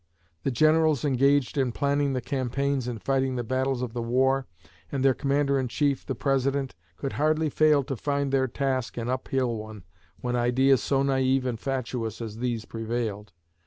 The generals engaged in planning the campaigns and fighting the battles of the war, and their commander in chief the President, could hardly fail to find their task an uphill one when ideas so naïve and fatuous as these prevailed.